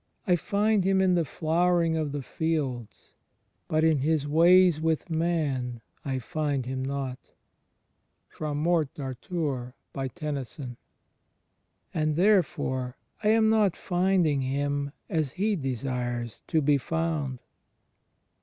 I find Him in the flowering of the fields. But in His ways with man I find Him not." ' And therefore I am not finding Him as He desires to be foimd.